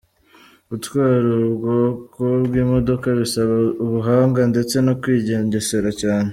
Gutwara ubu bwoko bw’imodoka bisaba ubuhanga ndetse no kwigengesera cyane.